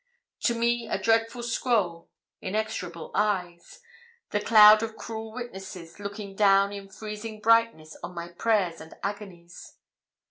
To me a dreadful scroll inexorable eyes the cloud of cruel witnesses looking down in freezing brightness on my prayers and agonies.